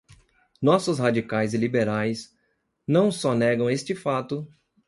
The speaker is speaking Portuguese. Nossos radicais e liberais não só negam este fato